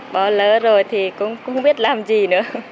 bỏ lỡ rồi thì cũng không biết làm gì nữa